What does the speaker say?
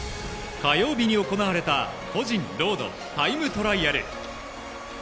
火曜日に行われた個人ロードタイムトライアル。